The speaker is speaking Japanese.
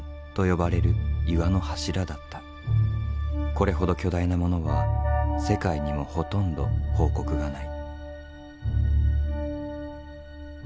これほど巨大なものは世界にもほとんど報告がない。